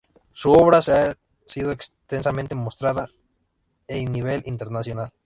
Su obra ha sido extensamente mostrada e nivel internacional.